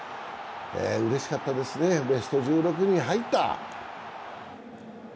うれしかったですね、ベスト１６に入った。